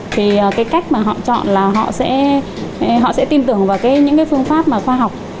thì cách mà họ chọn là họ sẽ tin tưởng vào những phương pháp khoa học